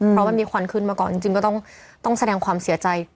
เพราะมันมีควันขึ้นมาก่อนจริงก็ต้องแสดงความเสียใจ